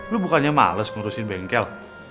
lu bukannya males ngurusin bengkel